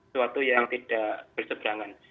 suatu yang tidak bersebrangan